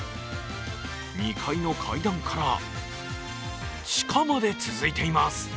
２階の階段から地下まで続いています。